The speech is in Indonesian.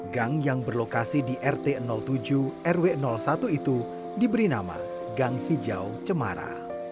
gang yang berlokasi di rt tujuh rw satu itu diberi nama gang hijau cemara